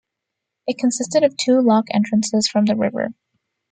It consisted of two lock entrances from the river.